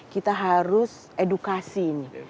kita harus edukasi ini